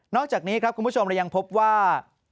อกจากนี้ครับคุณผู้ชมเรายังพบว่า